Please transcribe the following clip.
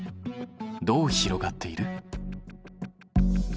どう広がっている？